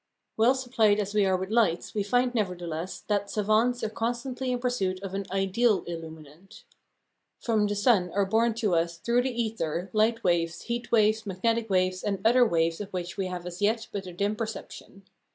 Well supplied as we are with lights, we find, nevertheless, that savants are constantly in pursuit of an ideal illuminant. From the sun are borne to us through the ether light waves, heat waves, magnetic waves, and other waves of which we have as yet but a dim perception.